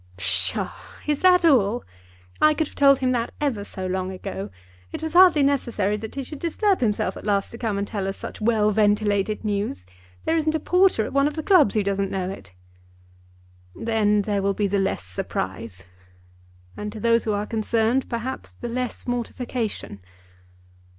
"Psha! is that all? I could have told him that ever so long ago. It was hardly necessary that he should disturb himself at last to come and tell us such well ventilated news. There isn't a porter at one of the clubs who doesn't know it." "Then there will be the less surprise, and to those who are concerned perhaps the less mortification."